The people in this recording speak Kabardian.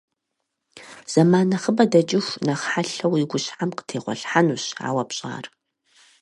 Зэман нэхъыбэ дэкӀыху нэхъ хьэлъэу уи гущхьэм къытегъуэлъхьэнущ а уэ пщӀар.